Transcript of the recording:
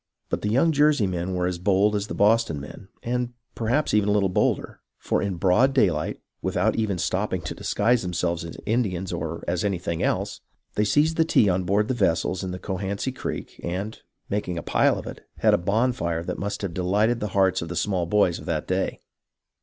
But the young Jersey men were as bold as the Boston men, and perhaps even a little bolder, for in broad daylight, without even stopping to disguise themselves as Indians or as anything else, they seized the tea on board the vessels in the Cohansey Creek, and, making a pile of it, had a bonfire that must have delighted the hearts of the small boys of that day.